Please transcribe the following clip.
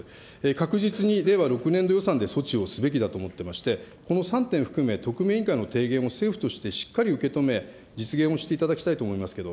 確実に令和６年度予算で措置をすべきだと思ってまして、この３点含め、特命委員会の提言を政府としてしっかり受け止め、実現をしていただきたいと思いますけど、